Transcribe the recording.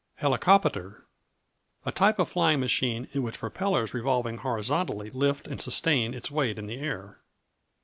Helicopater A type of flying machine in which propellers revolving horizontally lift and sustain its weight in the air.